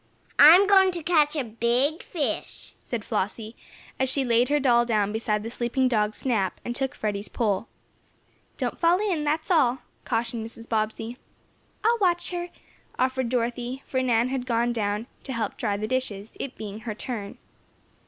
"I'm going to catch a big fish," said Flossie, as she laid her doll down beside the sleeping dog Snap, and took Freddie's pole. "Don't fall in that's all," cautioned Mrs. Bobbsey. "I'll watch her," offered Dorothy, for Nan had gone down to help dry the dishes, it being her "turn."